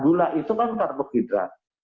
gula itu kan karbohidrat